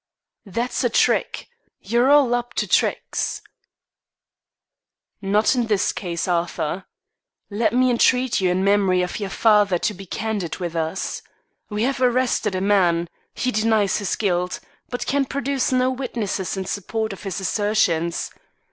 "That's a trick. You're all up to tricks " "Not in this case, Arthur. Let me entreat you in memory of your father to be candid with us. We have arrested a man. He denies his guilt, but can produce no witnesses in support of his assertions.